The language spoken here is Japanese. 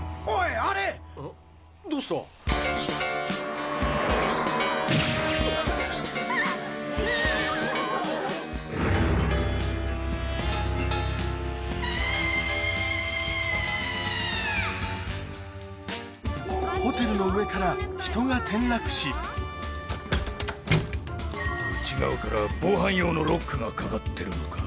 あぁ‼ホテルの上から人が内側から防犯用のロックがかかってるのか。